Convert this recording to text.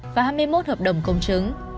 và hai mươi một hợp đồng công chứng